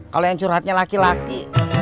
kalau yang curhatnya laki laki